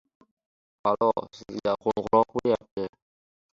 Galani aylanib yurdim.